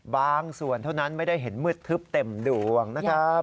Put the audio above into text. บางส่วนเท่านั้นไม่ได้เห็นมืดทึบเต็มดวงนะครับ